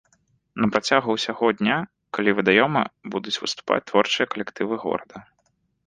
На працягу ўсяго дня каля вадамёта будуць выступаць творчыя калектывы горада.